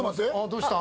どうした？